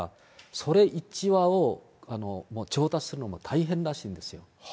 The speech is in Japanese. それ１羽をもう調達するの大変らしいんですよ。